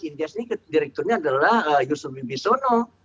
ideas ini direkturnya adalah yusuf bibisono